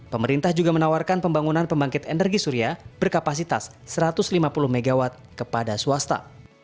pemerintah juga menawarkan pembangunan pembangkit energi surya berkapasitas satu ratus lima puluh mw kepada swasta